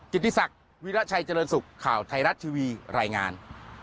ติศักดิ์วิราชัยเจริญสุขข่าวไทยรัฐทีวีรายงาน